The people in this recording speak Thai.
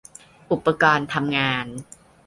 อุปกรณ์ทำงาน